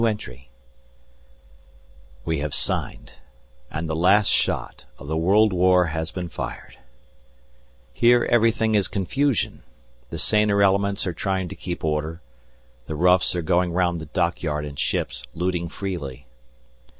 We have signed, and the last shot of the world war has been fired. Here everything is confusion; the saner elements are trying to keep order, the roughs are going round the dockyard and ships, looting freely.